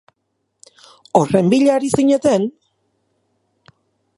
Horren bila ari zineten?